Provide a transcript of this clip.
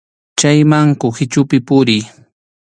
Chayman kuhichupi puriy.